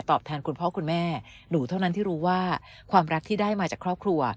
แทนคุณพ่อคุณแม่หนูเท่านั้นที่รู้ว่าความรักที่ได้มาจากครอบครัว